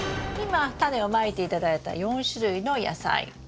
今タネをまいて頂いた４種類の野菜。